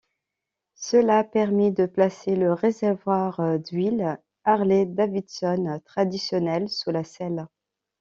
Cela permis de placer le réservoir d'huile Harley-Davidson traditionnel sous la selle.